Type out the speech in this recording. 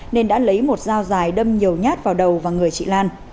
nên đã lấy một dao dài đâm nhiều nhát vào đầu và người chị lan